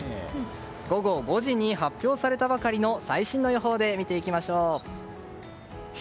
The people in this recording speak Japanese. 午後５時に発表されたばかりの最新の予報で見ていきましょう。